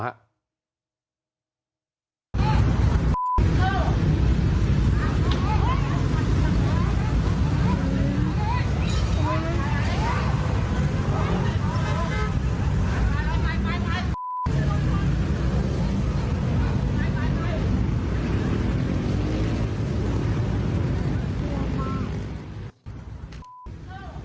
การไกลการไกล